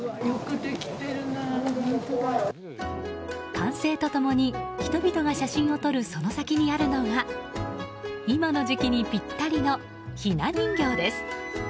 歓声と共に人々が写真を撮る先にあるのは今の時期にぴったりのひな人形です。